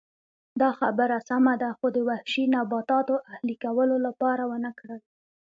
دا خبره سمه ده خو د وحشي نباتاتو اهلي کولو لپاره ونه کړل